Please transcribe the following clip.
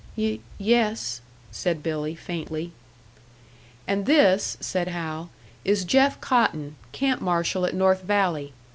"Y yes," said Billy, faintly. "And this," said Hal, "is Jeff Cotton, camp marshal at North Valley.